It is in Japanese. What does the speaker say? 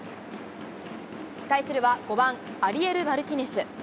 対するは５番アリエル・マルティネス。